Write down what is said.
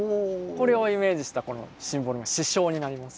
これをイメージしたこのシンボル市章になります。